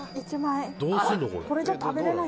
「どうするの？